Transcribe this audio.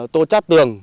tô chát tường